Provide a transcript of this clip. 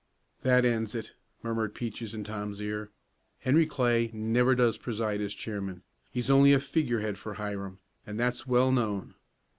"That ends it," murmured Peaches in Tom's ear. "Henry Clay never does preside as chairman. He's only a figurehead for Hiram, and that's well known.